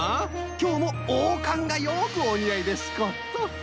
きょうもおうかんがよくおにあいですこと。